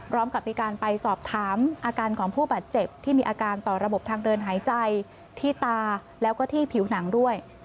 กับมีการไปสอบถามอาการของผู้บาดเจ็บที่มีอาการต่อระบบทางเดินหายใจที่ตาแล้วก็ที่ผิวหนังด้วย